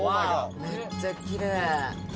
めっちゃきれい。